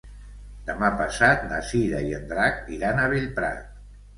Demà passat na Cira i en Drac iran a Bellprat.